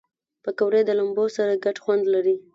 پکورې د لمبو سره ګډ خوند لري